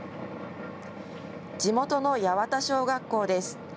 地元の八幡小学校です。